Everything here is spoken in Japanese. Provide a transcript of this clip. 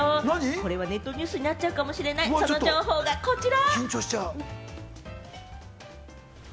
これはビッグニュースになっちゃうかもしれない、その情報がこちら。